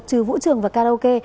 trừ vũ trường và cà đông